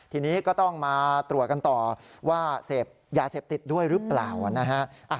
ทีนี้ก็ต้องมาตรวจกันต่อว่าเสพยาเสพติดด้วยหรือเปล่านะฮะ